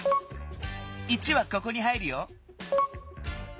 １はここに入るよ。